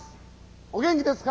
お元気ですか。